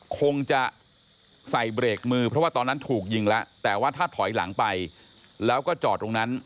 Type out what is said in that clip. คงจะใส่เบรกมือเพราะว่าตอนนั้นถูกยิงแล้วแต่ว่าถ้าถอยหลังไปแล้วก็จอดตรงนั้น